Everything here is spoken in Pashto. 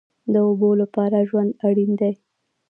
د اوبو لپاره ژوند اړین دی